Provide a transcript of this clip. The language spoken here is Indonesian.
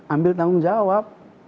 ambil tanggung jawab